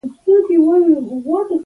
هغه يې قرائت هم کولای شي.